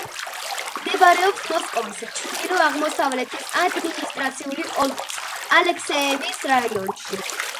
მდებარეობს მოსკოვის ჩრდილო-აღმოსავლეთის ადმინისტრაციული ოლქის ალექსეევის რაიონში.